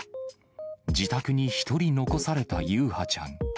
自宅に１人残された優陽ちゃん。